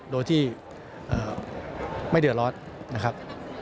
โดยที่ไม่เดือดร้อนนะครับ